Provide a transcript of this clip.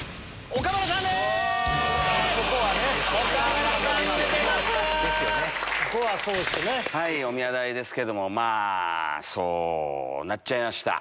おみや代ですけどもそうなっちゃいました。